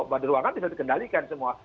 badur ruangan bisa dikendalikan semua